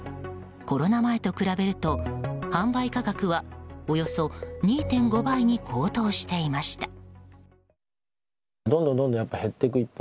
コロナ前と比べると販売価格はおよそ２．５倍に高騰していました。